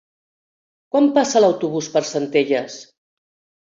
Quan passa l'autobús per Centelles?